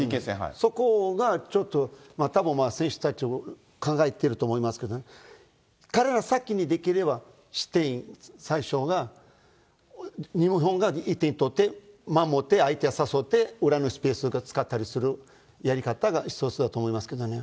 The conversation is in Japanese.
そこがちょっとたぶん選手たち、考えてると思いますけどね、彼らが先にできれば、失点、最初が、日本が１点取って、守って相手を誘って、裏のスペース使ったりするやり方が一つだと思いますけどね。